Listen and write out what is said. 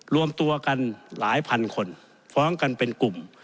รวมตัวกันหลายพันคนฟ้องกันเป็นกลุ่ม